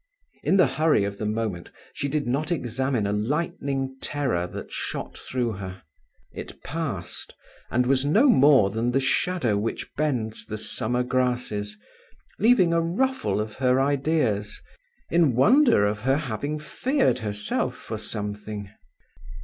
In the hurry of the moment she did not examine a lightning terror that shot through her. It passed, and was no more than the shadow which bends the summer grasses, leaving a ruffle of her ideas, in wonder of her having feared herself for something.